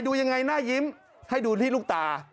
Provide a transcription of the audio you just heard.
ดูยังไงหน้ายิ้มให้ดูที่ลูกตา